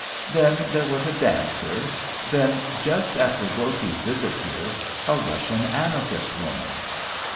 Then there was a dancer; then, just after Gorky's visit here, a Russian anarchist woman.